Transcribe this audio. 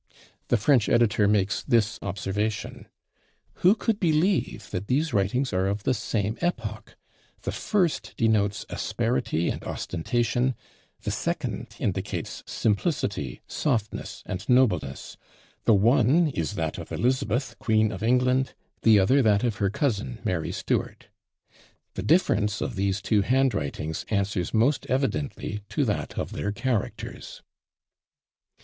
The French editor makes this observation: "Who could believe that these writings are of the same epoch? The first denotes asperity and ostentation; the second indicates simplicity, softness, and nobleness. The one is that of Elizabeth, queen of England; the other that of her cousin, Mary Stuart. The difference of these two handwritings answers most evidently to that of their characters."